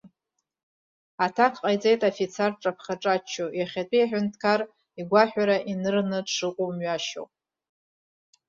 Аҭак ҟаиҵеит афицар дҿаԥхаҿаччо, иахьатәи аҳәынҭқар игәаҳәара инырны дшыҟоу мҩашьо.